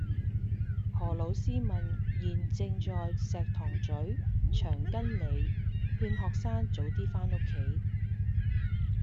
何老師問現正在石塘咀長庚里勸學生早啲返屋企